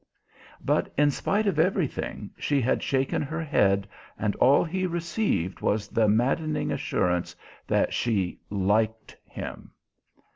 But, in spite of everything, she had shaken her head and all he received was the maddening assurance that she "liked" him.